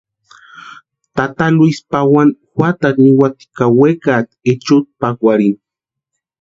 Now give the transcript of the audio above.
Tata Luisi pawani juatarhu niwati ka wekati echutʼa pakwarhini.